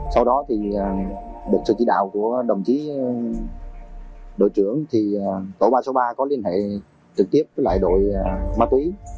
sau đó được sự chỉ đạo của đồng chí đội trưởng thì tổ ba trăm sáu mươi ba có liên hệ trực tiếp với đội má túy